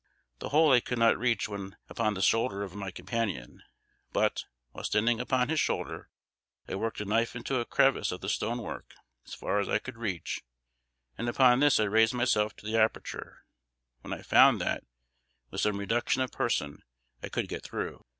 The hole I could not reach when upon the shoulder of my companion; but, while standing upon his shoulder, I worked a knife into a crevice of the stone work as far as I could reach, and upon this I raised myself to the aperture, when I found that, with some reduction of person, I could get through.